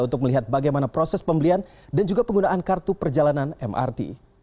untuk melihat bagaimana proses pembelian dan juga penggunaan kartu perjalanan mrt